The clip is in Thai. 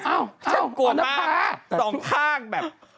เอ้าอันนี้คลาเหสองข้างแบบอเจมส์กลัวมาก